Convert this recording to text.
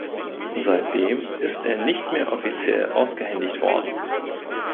Seitdem ist er nicht mehr offiziell ausgehändigt worden.